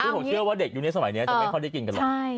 ก็คงเชื่อว่าเด็กอยู่ในสมัยนี้จะไม่ล้อนกินกันหรอ